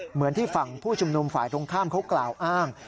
เหมือนที่ฝั่งผู้ชุมนุมฝ่ายตรงข้ามเขากล่าวอ้าง